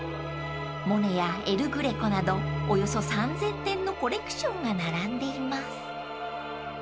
［モネやエル・グレコなどおよそ３，０００点のコレクションが並んでいます］